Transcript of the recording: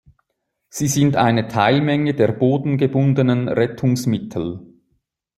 Sie sind eine Teilmenge der bodengebundenen Rettungsmittel.